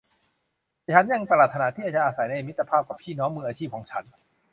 ฉันยังปรารถนาที่จะอาศัยในมิตรภาพกับพี่น้องมืออาชีพของฉัน